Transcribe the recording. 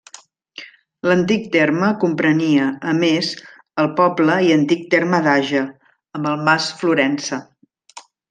L’antic terme comprenia, a més, el poble i antic terme d'Age, amb el mas Florença.